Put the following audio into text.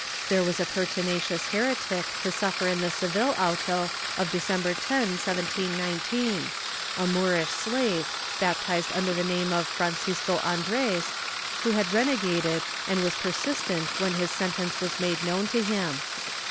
There was a pertinacious heretic to suffer in the Seville auto of December 10, 1719 — a Moorish slave, baptized under the name of Francisco Andres, who had renegaded and was persistent when his sentence was made known to him.